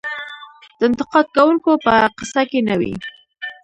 د انتقاد کوونکو په قصه کې نه وي .